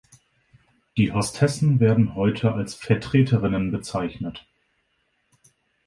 Die Hostessen werden heute als Vertreterinnen bezeichnet.